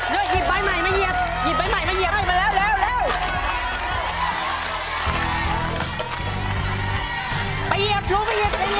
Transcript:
เร็วเหยียบไว้ใหม่มาเหยียบเหยียบไว้ใหม่มาเหยียบมาแล้วเร็วเร็ว